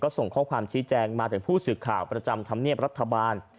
ส่งข้อความชี้แจงมาถึงผู้สื่อข่าวประจำธรรมเนียบรัฐบาล